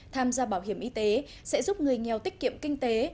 tham gia bảo hiểm y tế sẽ giúp người nghèo tiết kiệm kinh tế